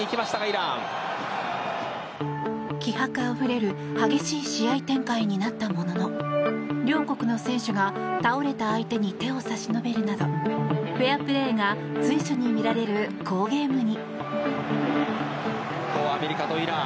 気迫あふれる激しい試合展開になったものの両国の選手が倒れた相手に手を差し伸べるなどフェアプレーが随所に見られる好ゲームに。